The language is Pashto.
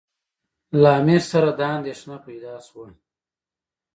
له امیر سره دا اندېښنه پیدا شوه.